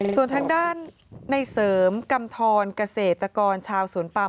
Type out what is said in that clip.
ส่วนทางด้านในเสริมกำทรเกษตรกรชาวสวนปาม